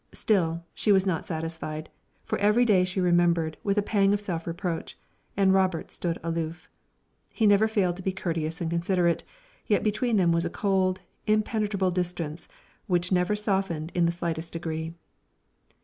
Still, she was not satisfied, for every day she remembered, with a pang of self reproach, and Robert stood aloof. He never failed to be courteous and considerate, yet between them was a cold, impenetrable distance which never softened in the slightest degree.